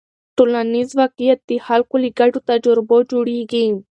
ټولنیز واقیعت د خلکو له ګډو تجربو جوړېږي.